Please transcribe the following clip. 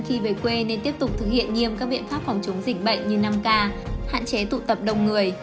khi về quê nên tiếp tục thực hiện nghiêm các biện pháp phòng chống dịch bệnh như năm k hạn chế tụ tập đông người